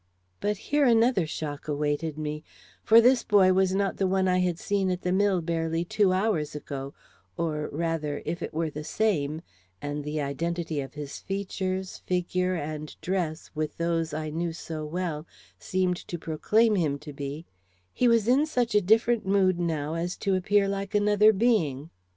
But here another shock awaited me, for this boy was not the one I had seen at the mill barely two hours ago, or, rather, if it were the same and the identity of his features, figure, and dress with those I knew so well, seemed to proclaim him to be he was in such a different mood now as to appear like another being.